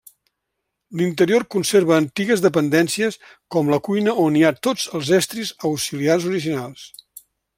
L'interior conserva antigues dependències com la cuina on hi ha tots els estris auxiliars originals.